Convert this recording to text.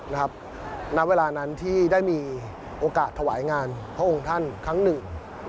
ณเวลานั้นที่ได้มีโอกาสถวายงานพระองค์ท่านครั้งหนึ่ง